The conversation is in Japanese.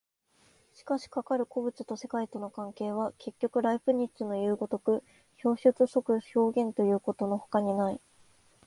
しかしかかる個物と世界との関係は、結局ライプニッツのいう如く表出即表現ということのほかにない。